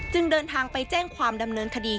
เดินทางไปแจ้งความดำเนินคดี